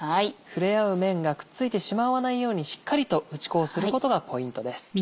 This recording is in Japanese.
触れ合う面がくっついてしまわないようにしっかりと打ち粉をすることがポイントです。